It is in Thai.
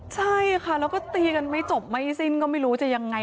ใช่ค่ะแล้วก็ตีกันไม่จบไม่สิ้นก็ไม่รู้จะยังไง